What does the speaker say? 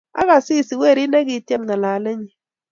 Ak Asisi, werit ne kitiem ngalalenyi